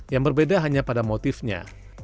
yang berbeda hanya pada motifnya